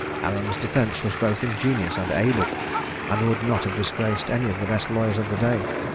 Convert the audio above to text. Aram's defence was both ingenious and able, and would not have disgraced any of the best lawyers of the day.